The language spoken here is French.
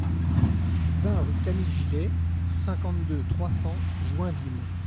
vingt rue Camille Gillet, cinquante-deux, trois cents, Joinville